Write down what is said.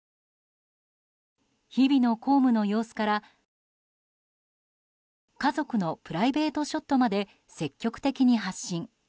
日々の公務の様子から家族のプライベートショットまで積極的に発信。